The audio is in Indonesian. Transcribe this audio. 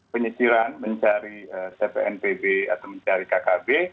penyisiran mencari cpnpb atau mencari kkb